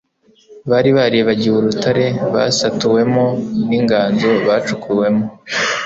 Bari baribagiwe Urutare basatuwemo n'inganzo bacukuwemo.